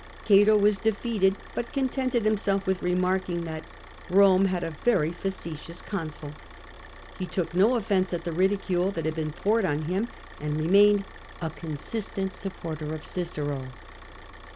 Cato was defeated, but contented himself with remarking that Eome had a very facetious consul." He took no offence at the ridicule that had been poured on him, and remained a consistent supporter of Cicero.